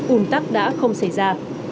ồn tắc đã không xảy ra